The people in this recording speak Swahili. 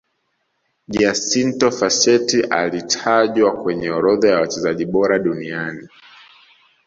giacinto facchetti alitajwa kwenye orodha ya wachezaji bora duniani